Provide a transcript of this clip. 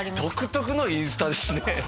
独特のインスタですね